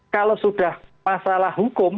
kalau sudah masalah hukum